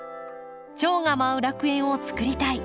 チョウが舞う楽園を作りたい。